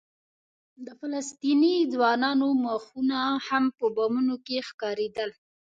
د فلسطیني ځوانانو مخونه هم په بامونو کې ښکارېدل.